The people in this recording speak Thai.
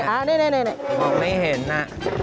มองไม่เห็นอ่ะ